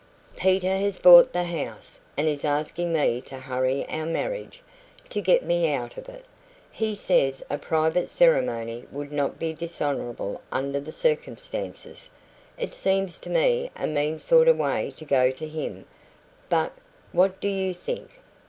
Peter has bought the house, and is asking me to hurry our marriage, to get me out of it. He says a private ceremony would not be dishonourable under the circumstances. It seems to me a mean sort of way to go to him, but what do YOU think?"